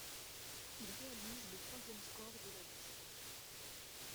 Il réalise le troisième score de la liste.